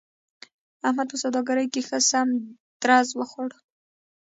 احمد په سوداګرۍ کې ښه سم درز و خوړ.